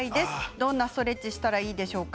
どんなストレッチしたらいいでしょうか。